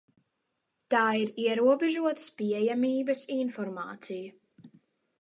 Tā ir ierobežotas pieejamības informācija.